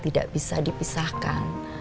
tidak bisa dipisahkan